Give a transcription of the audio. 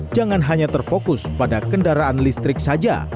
jangan hanya terfokus pada kendaraan listrik saja